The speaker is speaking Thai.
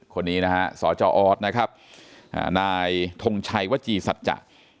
คนนี้นะฮะสจออสนะครับนายทงชัยวจีสัจจะ